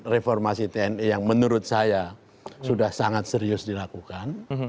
reformasi tni yang menurut saya sudah sangat serius dilakukan